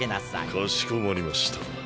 かしこまりました。